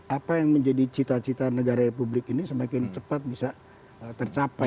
apa yang menjadi cita cita negara republik ini semakin cepat bisa tercapai